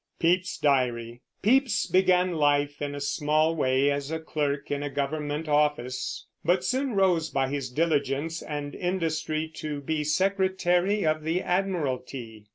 Pepys began life in a small way as a clerk in a government office, but soon rose by his diligence and industry to be Secretary of the Admiralty.